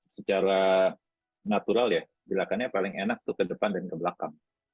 secara natural ya gerakannya paling enak tuh ke depan dan ke belakang